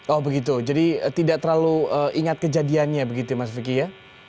oh begitu jadi tidak terlalu ingat kejadiannya begitu mas vicky ya